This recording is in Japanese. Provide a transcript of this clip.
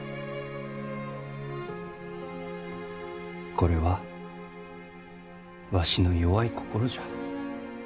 これは、わしの弱い心じゃ。